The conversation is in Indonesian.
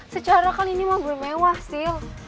secara kan ini mah gue mewah sih